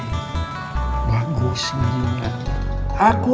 ayah pun tak bersyukur